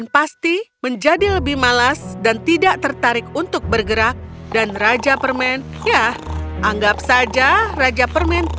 pasti menjadi lebih malas dan tidak tertarik untuk bergerak dan raja permen ya anggap saja raja permen